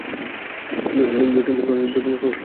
জটিল সংখ্যা কাকে বলে?